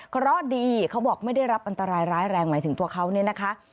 เพราะดีเขาบอกไม่ได้รับอันตรายร้ายแรงหมายถึงตัวเขาเนี่ยนะคะ